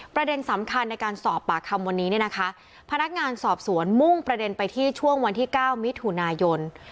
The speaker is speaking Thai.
ประเด็นสำคัญในการสอบปากคำวันนี้เนี่ยนะคะพนักงานสอบสวนมุ่งประเด็นไปที่ช่วงวันที่๙มิถุนายน